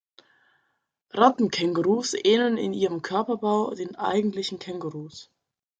Rattenkängurus ähneln in ihrem Körperbau den eigentlichen Kängurus.